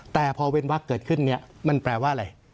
แต่พอเว้นวักเกิดขึ้นเนี่ยมันแปลว่าอะไร